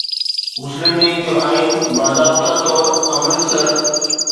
مسلم ليگ جو آئين باضابطه طور امرتسر